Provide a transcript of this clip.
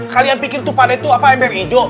kalian pikir tuh pak deng apa ember hijau